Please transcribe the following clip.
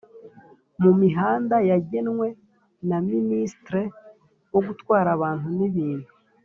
mumihanda yagenwe na ministre wo gutwara abantu n’ibintu